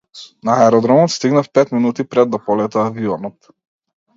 На аеродромот стигнав пет минути пред да полета авионот.